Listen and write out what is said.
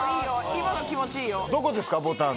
今の気持ちいいよ。